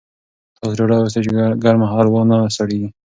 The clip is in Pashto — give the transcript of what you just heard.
تاسو ډاډه اوسئ چې ګرمه هلوا نه سړېږي.